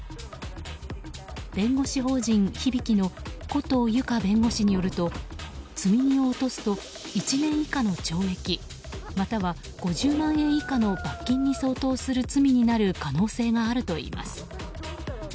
弁護士法人響の古藤由佳弁護士によると積み荷を落とすと１年以下の懲役または５０万円以下の罰金に相当する罪になる可能性があるといいます。